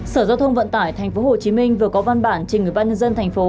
sở giao thông vận tải tp hcm vừa có văn bản trình ủy ban nhân dân thành phố